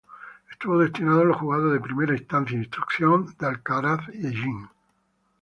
Estuvo destinado en los Juzgados de Primera Instancia e Instrucción de Alcaraz y Hellín.